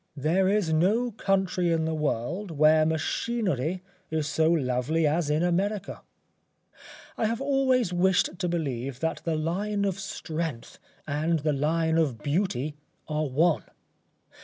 There is no country in the world where machinery is so lovely as in America. I have always wished to believe that the line of strength and the line of beauty are one.